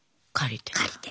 借りて。